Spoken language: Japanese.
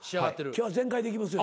「今日は全開でいきますよ」